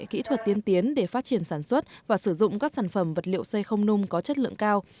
kỹ thuật tiên tiến để phát triển sản xuất và sử dụng các sản phẩm vật liệu xây không nung có chất lượng cao